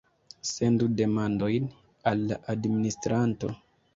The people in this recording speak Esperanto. Sendu demandojn al la administranto.